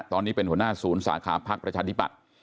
ตอนนี้เป็นหัวหน้าศูนย์สาขาพักประชาธิปัตย์